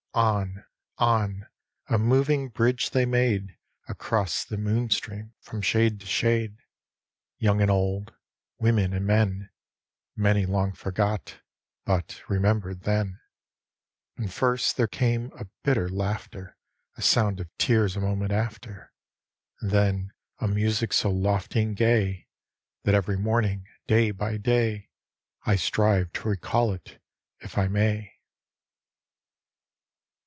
On, on, a moving bridge they made Across the moon stream, from shade to shade, Young and old, women and men; Many long foi^t, but remember'd then, And first there came a bitter laughter; A sound of tears a moment after. And then a music so lofty and gay, That every morning, day by day, I strive to recall it if I may.